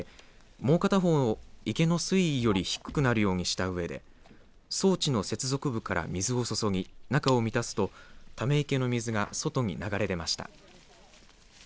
もう片方を池の水位より低くなるようにしたうえで装置の接続部から水を注ぎ中を満たすとため池の水が外に流れ出ました。